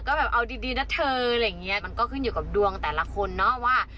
ก็แบบเอาดีดีนะเธออะไรอย่างเงี้ยมันก็ขึ้นอยู่กับดวงแต่ละคนเนาะว่า